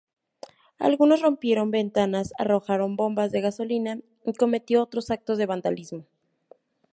Algunos rompieron ventanas, arrojaron bombas de gasolina, y cometió otros actos de vandalismo.